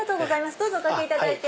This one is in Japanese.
どうぞおかけいただいて。